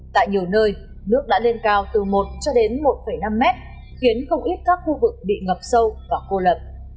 tại nhiều nơi nước đã lên cao từ một cho đến một năm mét khiến không ít các khu vực bị ngập sâu và cô lập